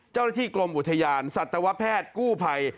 เจ้าหน้าที่กรมอุทยานสัตวแพทย์กู้ภัย